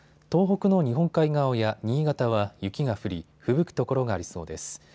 東北の日本海側や新潟は雪が降りふぶく所がありそうです。